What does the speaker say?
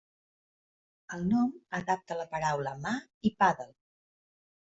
El nom adapta la paraula mà i pàdel.